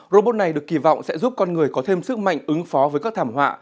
robot này được kỳ vọng sẽ giúp con người có thêm sức mạnh ứng phó với các thảm họa